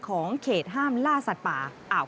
ของเขตห้ามล่าสัตว์ปาก